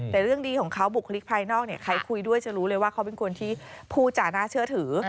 แต่เรื่องดีของเขาบุคลิกภายนอกเนี่ยใครคุยด้วยจะรู้เลยว่าเขาเป็นคนที่พูดจาน่าเชื่อถือ